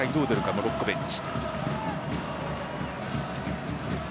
モロッコベンチ。